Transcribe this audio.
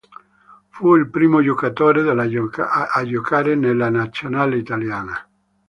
Fu il primo giocatore della a giocare nella Nazionale italiana.